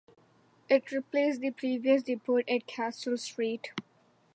It replaced the previous depot at Castle Street.